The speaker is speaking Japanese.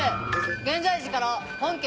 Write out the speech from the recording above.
現在時から本件